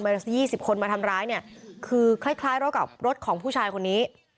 มันยี่สิบคนมาทำร้ายเนี่ยคือคล้ายคล้ายรอบกับรถของผู้ชายคนนี้